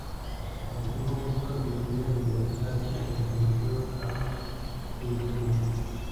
En aquel momento la mayoría de los karen se convirtió al cristianismo.